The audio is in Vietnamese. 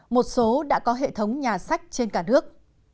một số đã có hệ thống nhà sách trên cả nước